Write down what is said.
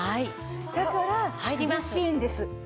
だから涼しいんです。